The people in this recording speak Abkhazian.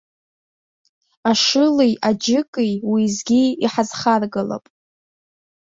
Ашылеи аџьыкеи уеизгьы иҳазхаргалап.